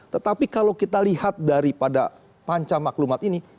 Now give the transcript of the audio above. tetapi kalau kita lihat dari pada panca maklumat ini